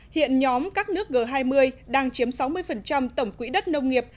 hiện nhóm các nước g hai mươi đang chiếm sáu mươi tổng quỹ đất nông nghiệp